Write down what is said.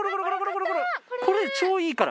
これ超いいから！